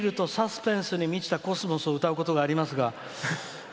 時々スリルとサスペンスに満ちた「秋桜」を歌うことがありますが。